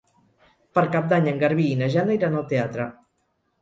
Per Cap d'Any en Garbí i na Jana iran al teatre.